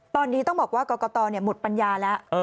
ตอนนี้ต้องบอกว่ากรกตหมดปัญญาแล้ว